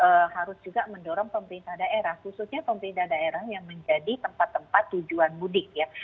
jadi kemudian kita harus juga mendorong pemerintah daerah khususnya pemerintah daerah yang menjadi tempat tempat tujuan mudik ya